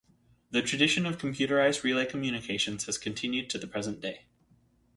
The tradition of computerised relay communications has continued to the present day.